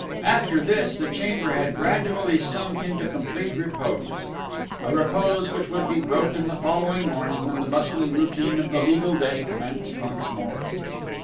After this the chamber had gradually sunk into complete repose: a repose which would be broken the following morning when the bustling routine of the legal day commenced once more.